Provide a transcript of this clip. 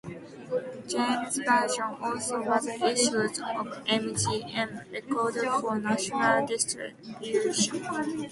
James' version also was issued on M-G-M Records for national distribution.